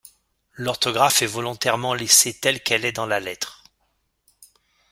L'orthographe est volontairement laissée telle qu'elle est dans la lettre.